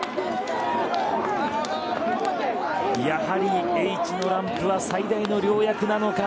やはり、Ｈのランプは最大の良薬なのか。